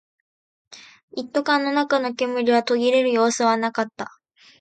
一斗缶の中の煙は途切れる様子はなかった